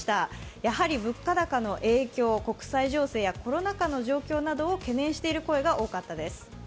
やはり物価高の影響、国際情勢やコロナ禍の状況などを懸念している声が多かったです。